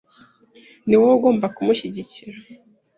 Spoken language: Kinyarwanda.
Ni wowe ugomba kumushyigikira .